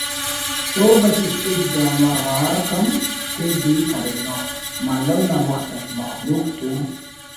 شوگ it stage drama غاک ہم کڑد دوئی کرینو مہالو نا وخت اٹ مخلوق تو